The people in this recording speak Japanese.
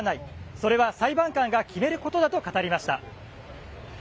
それは裁判官が決めることだと語りました。